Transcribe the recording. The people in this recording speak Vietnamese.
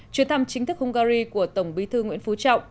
chuyến thăm chính thức hungary của tổng bí thư nguyễn phú trọng